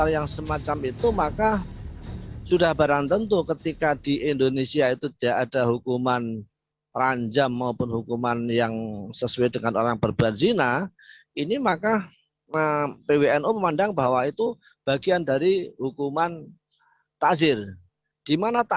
yang memberatkan atau yang paling berat